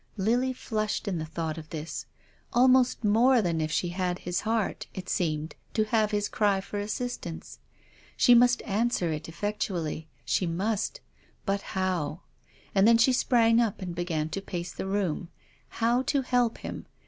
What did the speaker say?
Lily flushed in the thought of this. Almost more than if she had his heart it seemed to have his cry for assistance. She must answer it effectually. She must. But how ? And then she sprang up and began to pace the room. How to help him.